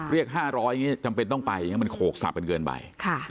เรียก๕๐๐จำเป็นต้องไปมันโขกสับกันเกินไป